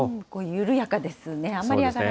緩やかですね。